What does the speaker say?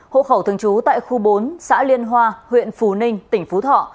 hộ khẩu thường trú tại khu bốn xã liên hoa huyện phú ninh tỉnh phú thọ